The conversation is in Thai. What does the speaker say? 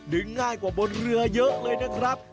ง่ายกว่าบนเรือเยอะเลยนะครับ